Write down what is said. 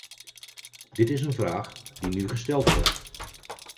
Dit is een vraag die nu gesteld wordt.